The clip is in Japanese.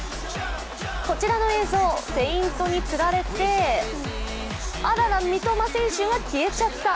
こちらの映像、フェイントにつられてあらら、三笘選手が消えちゃった。